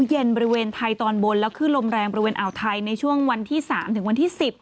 เย็นบริเวณไทยตอนบนแล้วขึ้นลมแรงบริเวณอ่าวไทยในช่วงวันที่๓ถึงวันที่๑๐